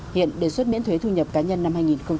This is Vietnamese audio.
hiện đề xuất miễn thuế thu nhập cá nhân năm hai nghìn hai mươi